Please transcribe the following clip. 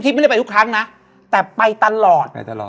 ถ่ายทางนอกเหรอเหรอ